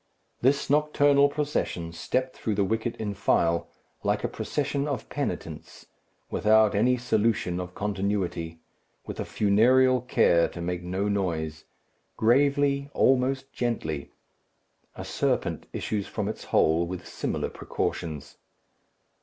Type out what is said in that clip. This nocturnal procession stepped through the wicket in file, like a procession of penitents, without any solution of continuity, with a funereal care to make no noise gravely, almost gently. A serpent issues from its hole with similar precautions.